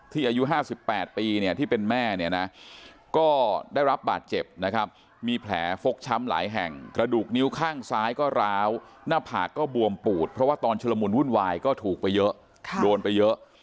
อายุ๕๘ปีเนี่ยที่เป็นแม่เนี่ยนะก็ได้รับบาดเจ็บนะครับมีแผลฟกช้ำหลายแห่งกระดูกนิ้วข้างซ้ายก็ร้าวหน้าผากก็บวมปูดเพราะว่าตอนชุลมุนวุ่นวายก็ถูกไปเยอะโดนไปเยอะ